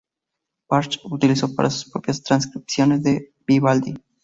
Bach utilizó para sus propias transcripciones de Vivaldi.